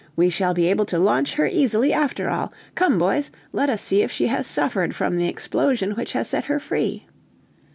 we shall be able to launch her easily after all. Come, boys, let us see if she has suffered from the explosion which has set her free."